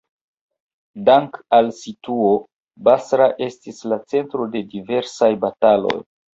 Dank al situo, Basra estis la centro de diversaj bataloj.